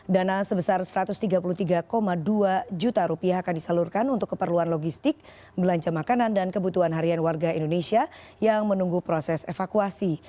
dana sebesar rp satu ratus tiga puluh tiga dua juta rupiah akan disalurkan untuk keperluan logistik belanja makanan dan kebutuhan harian warga indonesia yang menunggu proses evakuasi